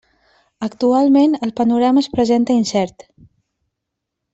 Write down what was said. Actualment, el panorama es presenta incert.